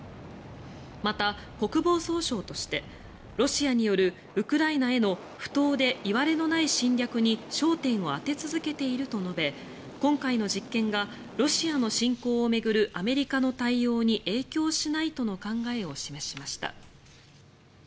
また、国防総省としてロシアによるウクライナへの不当でいわれのない侵略に焦点を当て続けていると述べ今回の実験がロシアの侵攻を巡るアメリカの対応に影響しないとの考えを示しました。